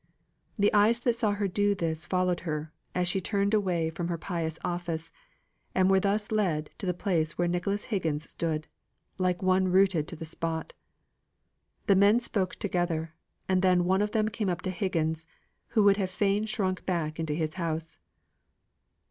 The eyes that saw her do this followed her, as she turned away from her pious office, and were thus led to the place where Nicholas Higgins stood, like one rooted to the spot. The men spoke together, and then one of them came up to Higgins, who would have fain shrunk back into his house.